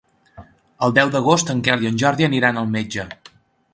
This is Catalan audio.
El deu d'agost en Quel i en Jordi aniran al metge.